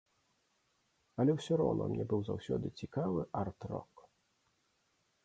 Але ўсё роўна мне быў заўсёды цікавы арт-рок.